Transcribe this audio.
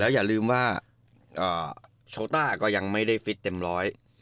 อย่าลืมว่าโชต้าก็ยังไม่ได้ฟิตเต็มร้อย